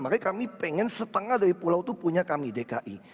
makanya kami pengen setengah dari pulau itu punya kami dki